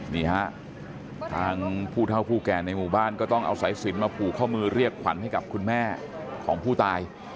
นี่ฮะทางผู้เท่าผู้แก่ในหมู่บ้านก็ต้องเอาสายสินมาผูกข้อมือเรียกขวัญให้กับคุณแม่ของผู้ตาย